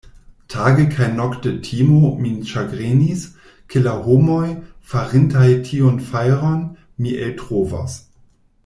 Tage kaj nokte timo min ĉagrenis, ke la homoj, farintaj tiun fajron, mi eltrovos.